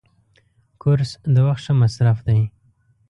کورس د وخت ښه مصرف دی.